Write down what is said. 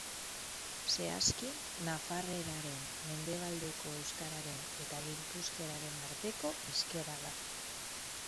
Zehazki, nafarreraren, mendebaleko euskararen eta gipuzkeraren arteko hizkera da.